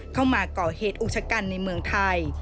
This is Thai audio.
เข้ามาเกาะเหตุอุชกรรมในเมืองไทย